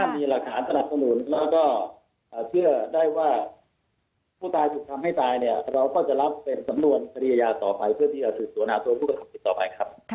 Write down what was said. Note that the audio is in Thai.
มีหลักฐานสนับสนุนแล้วเชื่อได้ว่าผู้ตายทำให้กัดเนี่ยเราก็จะรับเป็นสำนวนคยตี่ต่อไปเพื่อคนทำต่อไปครับ